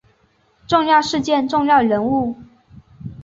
重要事件重要人物